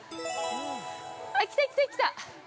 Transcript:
あ、来た来た、来た来た！